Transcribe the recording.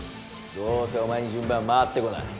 どうせお前に順番回ってこない。